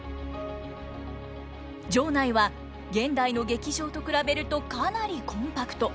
場内は現代の劇場と比べるとかなりコンパクト。